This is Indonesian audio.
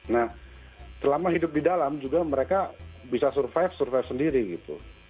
nah selama hidup di dalam juga mereka bisa survive survive sendiri gitu